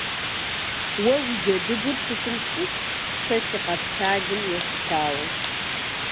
Уэ уи джэдыгур сытым щыщ, сэ си къэпталым елъытауэ.